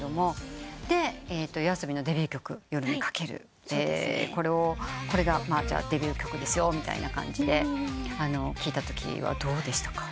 でＹＯＡＳＯＢＩのデビュー曲『夜に駆ける』これがデビュー曲ですよって聴いたときはどうでしたか？